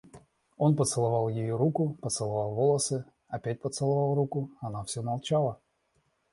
Он поцеловал ее руку, поцеловал волосы, опять поцеловал руку, — она всё молчала.